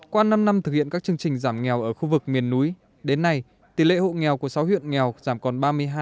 qua năm năm thực hiện các chương trình giảm nghèo ở khu vực miền núi đến nay tỷ lệ hộ nghèo của sáu huyện nghèo giảm còn ba mươi hai